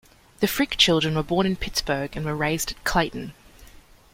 The Frick children were born in Pittsburgh and were raised at Clayton.